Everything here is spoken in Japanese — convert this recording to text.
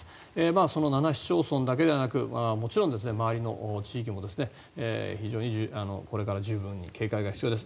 その７市町村だけではなくもちろん周りの地域も非常にこれから十分に警戒が必要です。